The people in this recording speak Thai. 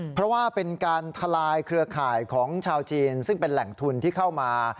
เพราะว่าเป็นการทลายเครือข่ายของชาวจีนซึ่งเป็นแหล่งทุนที่เข้ามา